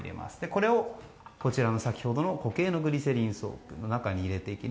これを先ほどの固形のグリセリンソープの中に入れます。